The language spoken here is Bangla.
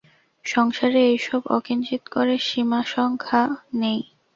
সংসারে এই সব অকিঞ্চিৎকরের সীমাসংখ্যা নেই।